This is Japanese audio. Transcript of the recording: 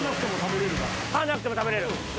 歯なくても食べられる？